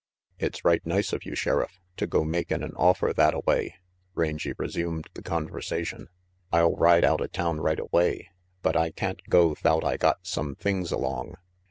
"It's right nice of you, Sheriff, to go makin' an offer thattaway," Rangy resumed the conversation. "I'll ride outa town right away, but I can't go 'thout I got some things along.